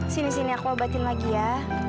sini sini aku obatin lagi ya